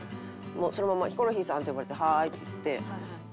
そのまま「ヒコロヒーさん」って呼ばれて「はーい」って行ってからちょっと。